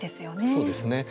そうですね。